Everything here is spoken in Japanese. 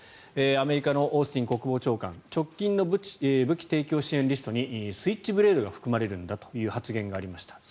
アメリカのオースティン国防長官直近の武器提供支援リストにスイッチブレードが含まれるんだという発言がありました。